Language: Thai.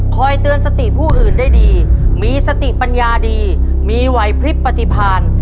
เตือนสติผู้อื่นได้ดีมีสติปัญญาดีมีไหวพลิบปฏิพาณ